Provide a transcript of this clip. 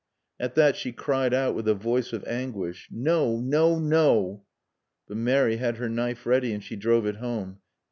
At that she cried out with a voice of anguish. "No No No!" But Mary had her knife ready and she drove it home.